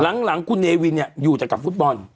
กับ่อนแล้วเขาออกใดว่าสมมุติคุณเนวินที่ชอบพูดอยู่กับฟุตบอล